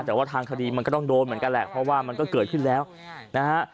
แต่ว่าทางคดีมันก็ต้องโดนเหมือนกันแหละเพราะว่ามันก็เกิดขึ้นแล้วนะฮะ